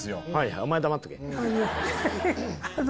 お前は黙っとけ！